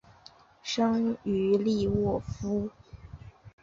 生于利沃夫。